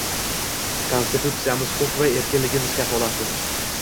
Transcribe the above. Konstitutsiyamiz–huquq va erkinligimiz kafolati